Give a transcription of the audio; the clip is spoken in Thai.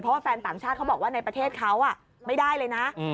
เพราะว่าแฟนต่างชาติเขาบอกว่าในประเทศเขาไม่ได้เลยนะ